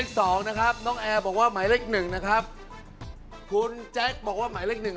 เอาอร่องมาให้คุณแอร์ปันธิลานิดนึง